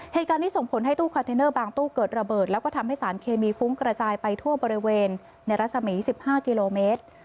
เหตุการณ์นี้ส่งผลให้ตู้คอนเทนเนอร์บางตู้เกิดระเบิดแล้วก็ทำให้สารเคมีฟุ้งกระจายไปทั่วบริเวณในรัศมี๑๕กิโลเมตร